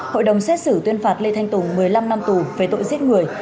hội đồng xét xử tuyên phạt lê thanh tùng một mươi năm năm tù về tội giết người